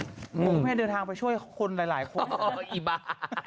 คุณแม่เดินทางไปช่วยคนหลายคนอีบะ